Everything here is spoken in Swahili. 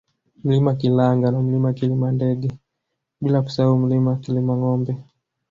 Mlima Kilanga na Mlima Kilimandege bila kusahau Mlima Kilimangombe